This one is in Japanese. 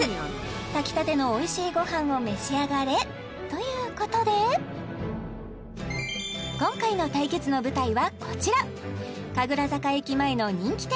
炊きたてのおいしいごはんを召し上がれということで今回の対決の舞台はこちら神楽坂駅前の人気店